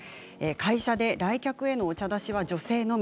会社で来客へのお茶出しは女性のみ。